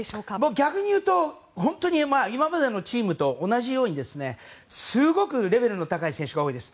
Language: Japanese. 逆に言うと今までのチームと同じようにすごくレベルの高い選手が多いです。